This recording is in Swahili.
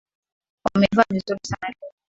Wamevaa vizuri sana leo